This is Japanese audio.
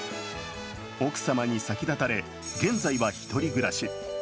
奥様に先立たれ、現在は１人暮らし。